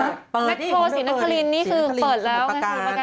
สมุทรปาการเปิดแล้วสมุทรปาการ